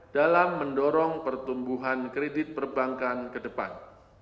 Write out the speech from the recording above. dalam mendorong pertumbuhan kredit perbankan ke depan